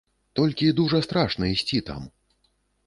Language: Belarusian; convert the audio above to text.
Толькі дужа страшна ісці там.